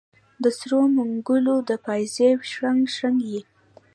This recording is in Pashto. د سرو منګولو د پایزیب شرنګ، شرنګ یې